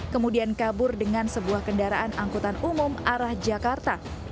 kemudian kabur dengan sebuah kendaraan angkutan umum arah jakarta